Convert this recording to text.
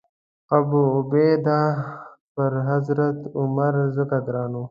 ابوعبیده پر حضرت عمر ځکه ګران و.